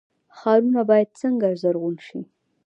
ښارونه باید څنګه زرغون شي؟